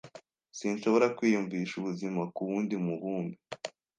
Sinshobora kwiyumvisha ubuzima kuwundi mubumbe.